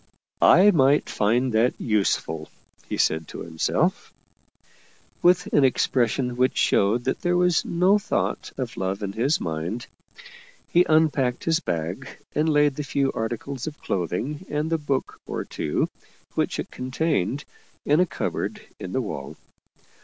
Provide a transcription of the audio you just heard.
" I might find that useful," he said to himself, with an expression which showed that there was no thought of love in his mind. He unpacked his bag, and laid the few articles of cloth ing and the book or two which it contained in a cupboard in the wall.